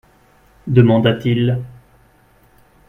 demanda-t-il.